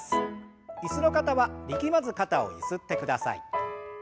椅子の方は力まず肩をゆすってください。